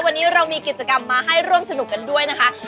วันนี้เรามีกิจกรรมมาให้ร่วมสนุกกันด้วยนะคะ